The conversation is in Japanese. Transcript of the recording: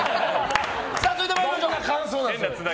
続いて参りましょう。